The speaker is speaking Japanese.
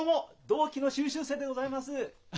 同期の修習生でございます。